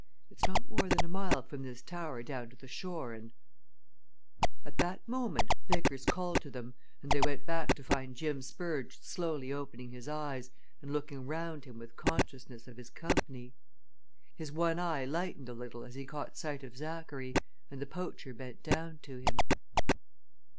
It's not more than a mile from this tower down to the shore, and " At that moment Vickers called to them, and they went back to find Jim Spurge slowly opening his eyes and looking round him with consciousness of his company. His one eye lightened a little as he caught sight of Zachary, and the poacher bent down to him.